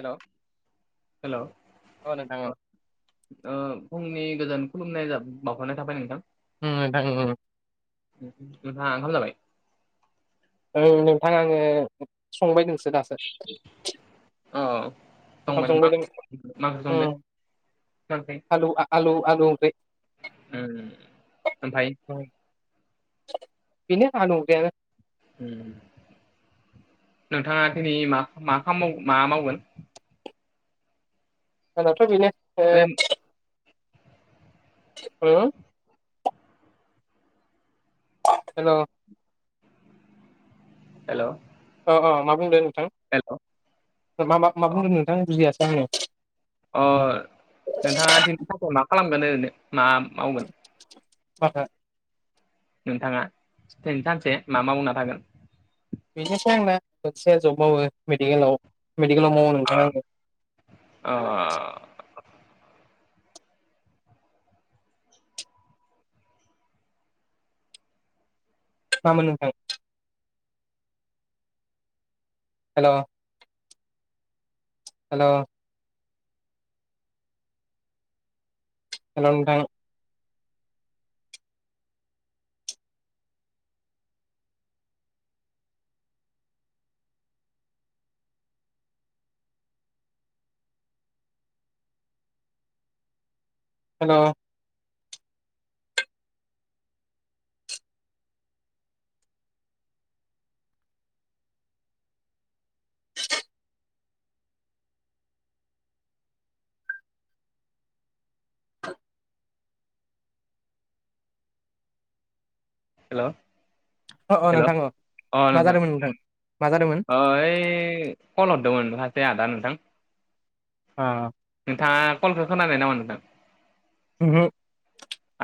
हेल' hello. अ नोंथां औ ओ फुंनि गोजान खुलुमनाय बावहरनाय थाबाय नोंथां। उम नोंथां उम उम उम। नोंथाङा ओंखाम जाबाय। औ नोंथां आङो संबायदोंसो दासो। [inaudible] अ ओंखाम संबायदंबा संबायदों मा ओंख्रि संदो उम मा ओंख्रि। आलु आलु आलु बे उम ओमफ्राय। बि आ न बेनो नोंथाङा दिनै मा मा खालाम मा मावगोन। जोनाथ' बिनो। ओ। हो। हेल'। हेल' अ अ मा बुंदो नोंथां। हेल'। मा मा मा बुंदों नोंथां बुजियाासै आङो। अ नोंथाङा दिनैनि थाखाय मा खालामगोन ओरैनो मा मावगोन [unintelligible] नोंथाङा दिनै सानसे मा मावना थागोन बेनोसै आंना खसेया जब मावो मेडिकेलाव मेडिकेलाव मावो नोंथां आङो। अ अ मा मोन नोंथां? हेल' हेल'। हेलौ‌ नोंथां? हेल' हेल'। अ अ हेल' नोंथां अ मा नोथां जादोंमोन नोंथां मा जादोंमोन अ ओइ। खल हरदोंमोन खासे आदा नोंथां। अ नोंथाङा कलखौ खोनानाय नामा नोंथां? उमहु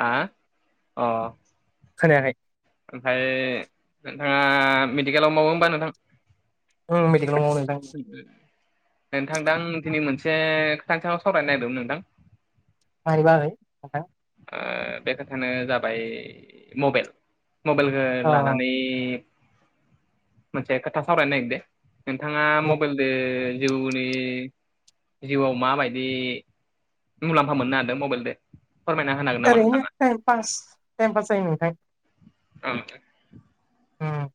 आ अ। खोनायाखै। ओमफाय नोंथाङा मेडिकेलाव मावो होमबा नोंथां। उम मेडिकेलाव मावो नोंथां नोंथांदो आं धिनै मोनसे खोथानि सायाव सावरायनो नागिरदोंमोन नोंथां। मारै बाहागोनि नोंथां। ओ बे खोथायानो जाबाय मबेल मबेलखो अ लानानै मोनसे खोथा सावरायनो नागिरदों। नोंथाङा उम मबेलदो जिउनि जिउआव माबायदि मुलाम्फा मोननो हादों मबेलदो फोरमायना होनो हागोन नामा ओरैनो नोंथाङा? ताइम पास ताइम पास जायो नोंथां। औ नोंथां। उम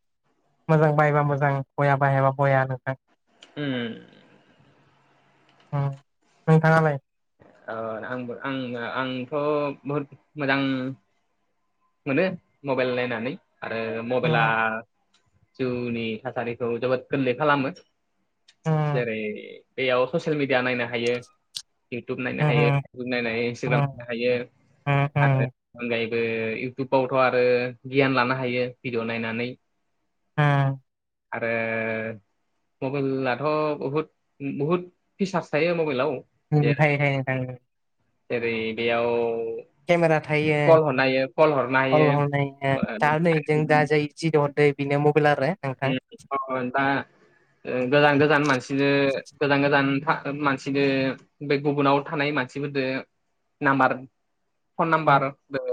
मोजां बाहायबा मोजां बया बाहायाबा बया नोंथां। उम। उम नोंथाङालाय ओ आंबो आं आंथ' बहुद मोजां मोनो मबाइल नायनानै आरो उम मबाइला जिउनि थासारिखौ जोबोद गोरलै खालामो उम जेरै बेयाव ससियेल मिडिया नायनो हायो इयउटुब नायनो उम हायो फेसबुक नायनो हायो इन्सटाग्राम उम नायनो हायो आरो उम अनगायैबो इउटुबावथ आरो गियान लानो हायो भिडियअ नायनानै उम आरो मबाइलाथ बहुद बहुद फिसार्स थायो मबाइलाव थायो थायो थायो। जेरै बेयाव केमेरा थायो कल हरनो हायो कल हरनो हल हल नायनो दा नै जों दा जाय जि दो हरदो बिनो मबाइल आरो नोंथां दा गोजान गोजान मानसिनो गोजान गोजान मानसिनो बे गुबुनाव थानाय मानसिफोरजों नाम्बार फन उम नाम्बारबो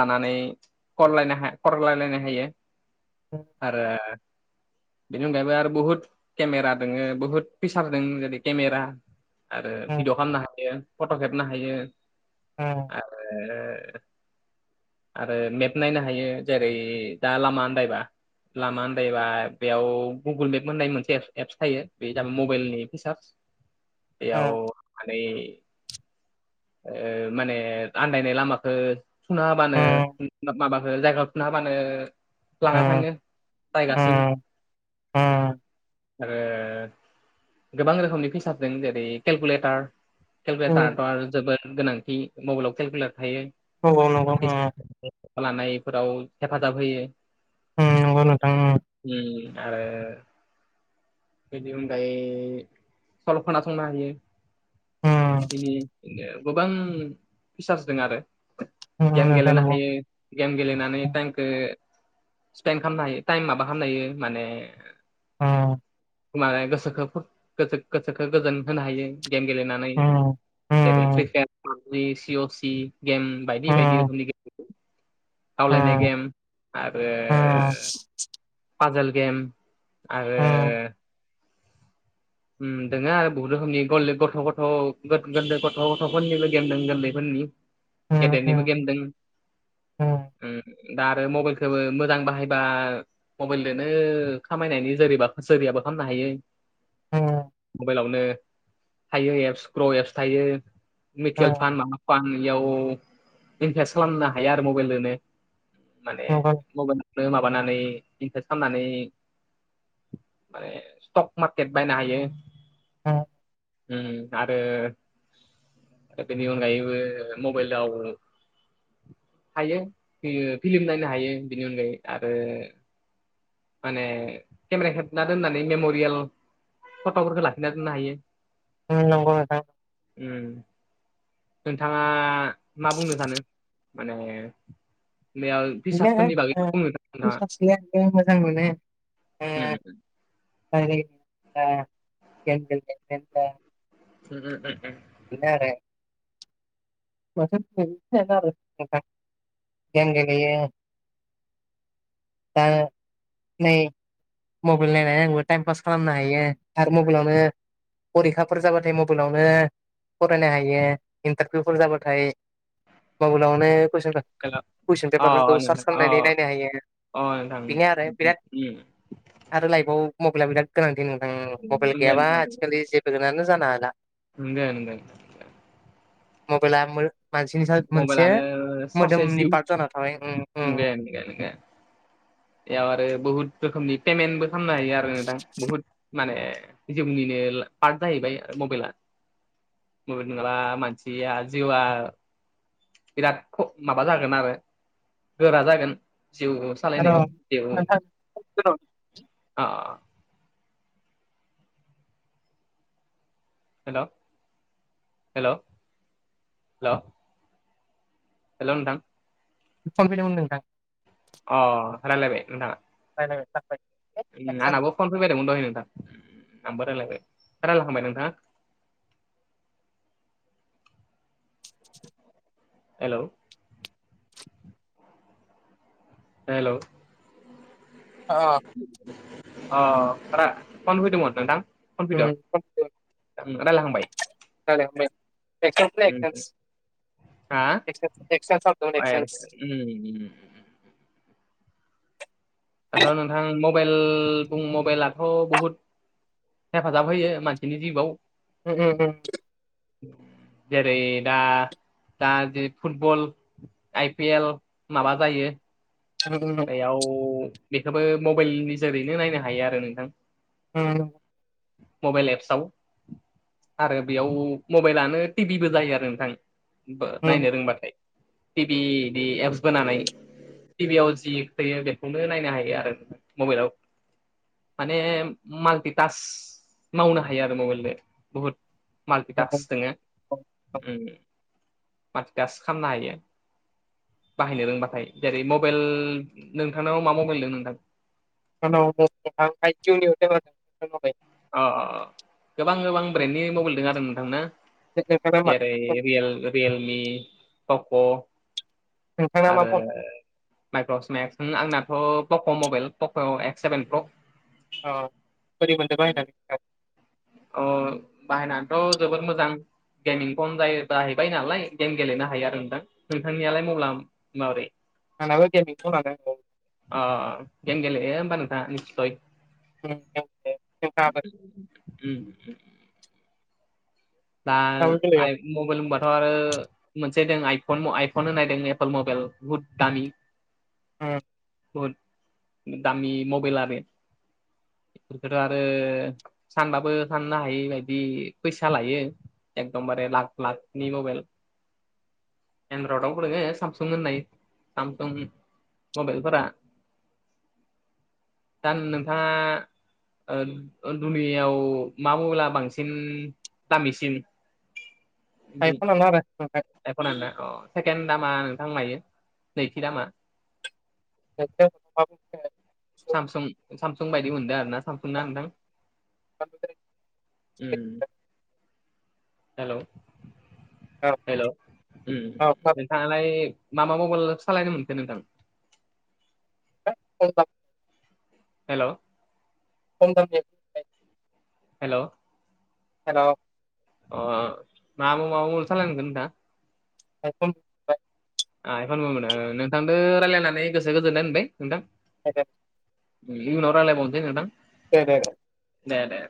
लानानै कलायनाहा करलायलायनो हायो। औ आरो बेनि अनगायैबो आरो बुहुत केमेरा दङो बुहुत फिसार दङ जेरै केमेरा आरो भिडिअ खालामनो हायो फट' खेबनो हायो। आ आरो आरो मेप नायनो हायो जेरै दा लामा आन्दायबा लामा होनन्दायोबा बेयाव गुगोल मेप होननाय मोनसे एप्स थायो बे ज मबाइलनि फिसार्स याव उम मानै माने आन्दायनाय लामखौ सुना हाबानो उम माबाखो जायगाफोरनो हाबानो लाना उम थाङो जायगासिम उम उम आरो गोबां रोखोमनि फैसाबजों जेरै केलकुलेटार उम केलकुलेटाराथ' आरो जोबोद गोनांथि मबाइलाव केलकुलेटार थायो। नंगौ नंगौ उम लानायफोराव हेफाजाब होयो। उम नंगौ नोंथां उम उ आरो बिनि अनगायै सल खोना संनो हायो। बि गोबां फिसार्स दं आरो उम गेम नोंथां गेलनो नंगौ हायो गेम गेलेनानै टाइमखौ स्पेड खालामनो हायो टाइम माबा खालामनो हायो माने नंगौ माने गोसोखौ गोसोखौ गोजोन होनो हायो गेम गेलेनानै जेरै फ्रिफायार सिअसि गेम बायदि बायदि रोखोमनि गेम गावलायनाय गेम आरो [inaudible] पाजाल गेम आरो दोङो आरो बहुत रोखोमनि गोरलै गथ' गथ' गैलै गथ' गथ'फोरनिबो गेम दं गोरलैफोरनि गेदेरनिबो गेम दों दा आरो मबाइलखोबो मोजां बाहायबा मबाइलजों खामायनायनि जैब सोरियाबो खालामनो हायो मबाइलावनो थायो एप्स ग्र' एप्स थायो मिउचुयेल फान्ड माबा [unintelligible] इनभेस्ट खालामनो हाया आरो मबाइल लो माने मबाइलावनो माबानानै इनभेस्त खालामनानै माने स्टक मार्केट बायनो हायो उम आरो बिनि अनगायैबो मबेलाव हायो फिलिम नायनो हायो बिनि अनगायै आरो माने केमेरा खेबना दोननानै मेम'रियेल फथ'फोरखौ लाखिना दोननो हायो उम नंगौ नोंथां उम नोंथाङा मा बुंनो सानो माने बेयाव बिदिनो रिसार्सफोरनि ओ बागैखौ बुंदोंना नोंथांङा [unintelligible] मोजां मोनो उम दाइरेक्त जा [inaudible] बिनो आरो बोथोर आरो गेम गेलेयो दा नै मबाइल नायनानै आंबो टाइम पास खालामनो हायो आरो मबाइलावनो फरिखाफोर जाबाथाय मबाइलावनो फरायनो हायो इन्टारभिउफोर जाबाथाय थाय मबेलावनो कुइसन उम हेल' अ कुइसन पेपारफोरखौ नोंथां सार्च अ खालामनानै नायनो हायो बेनो अ आरो बिराद नोंथां औ आरो लाइफआव मबाइला बिराद गोनांथि नोंथां मबाइल नंगो गैयाबा नोंथां आथिखालि जेबो आनो जानो हाला नोंगो नोंथां मबेला मानसिनि मोनसे मबाइलानो ससे मोदोमनि जिउ पार्ट जाना थाब [inaudible] बेयाव आरो बुहुत रोखोमनि पेमेन्टबो खालामनो हायो आरो दां बुहुद माने जिउनिनो पार्ट जाहैबाय आरो मबाइला मबेल नंङाला मानसिया जिउआ बिराद माबा जागोन आरो गोरा जागोन जिउ आरो सालायनायाव जिउ नोंथां हेल' हेल' हेल' हेलौ नोंथां फनफैदोंमोन नोंथां अ रायलायबाय नोंथांङा रायलायबाय आंनाबो फन फैबायदोंमोन दहाय नोंथां आंबो रायलायबाय रायलायहांबाय नोंथांङा हेल' हेलौ [unintelligible] अ रा फन फैदोंमोन नोंथां फन फैदों रायलायखांबाय उम हा ए [unintelligible] उम दाथ' नोंथां मबाइल बुं मबाइलाथ' बहुद हेफाजाब होयो मानसिनि जिवआव [unintelligible] जेरै दा दा जि फुटबल आइपि एल माबा जायो [unintelligible] याव बेखौबो मबाइल नि जोरैनो नायनो हायो आरो नोंथां [unintelligible] मबाइल एप्सआव आरो बेयाव मबाइलानो टिभिबो जायो आरो नोंथां नायनो रोंबाथाय टिभिनि एप्स बोनानै टिभियाव जि फैयो बेखौनो नायनो हायो आरो मबाइलाव माने माल्टिटास मावनो हायो आरो मबाइलजो बुहुत माल्टिटासक दोङो माल्टिटास्क खालामनो हायो बाहायनो रोंबाथाय जेरै मबाइल नोंथांनाव मा मबाइल दं आनाव [unintelligible] अ गोबां गोबां ब्रेन्डनि मबाइल दङो आरो नोंथां ना नोंथांना मा जेरै रियेल रियेलमि [unintelligible] नोंथांना मा आरो फन माइक्र'स मेक्स नि आंनाथ' पक' मबाइल पक' एक्स सेभेन प्र' [unintelligible] बोरै मोनदों बाहायनानै अ बाहायनानैथ' जोबोद मोजां गेमिं फन जाय जाहैबाय नालाय गेम गेलेनो हायो आरो नोंथां नोंथांनियालाय मला माब्रै [unintelligible] ओ गेम गेलेयो ओमबा नोंथाङा [unintelligible] [unintelligible] [unintelligible] दा आय मबाइल होनबाथ' आरो मोनसे दों आइफन आइफन होननायदों एपोल मबाइल बुहुद दामि [inaudible] [unintelligible] बहुत दामि मबाइल आरो बेफोर आरो सानबाबो साननो हायि बायदि फैसा लायो एकदमबारे लाक लाकनि मबाइल [unintelligible] सामसुं होननाय सामसुं मबाइलफोरा दा नोंथाङा ओ ओ दुनियाव मा मला बांसिन दामिसि सिन आइफन लानो हादों [unintelligible] [unintelligible] अ सेकेणड दामा नोंथां मायो नैथि दामा [unintelligible] सामसुं सामसुं बायदि मोनदों आरो ना सामसुं ना नोंथां उम हेलौ हेलौ [unintelligible] लाय मा मबाइल सालायनो मोनखो नोंथां। औ हेल' खनथाम हेल'। हेल' अ माो माबा सालायनांगोन नोंथां। एबा आ एफान नोंथांजों रायजलायनानै गोसो गोजोन्नाय होनबाय नोंथां। ज इनि उनाव रालायबावनोसै दे दे दे दे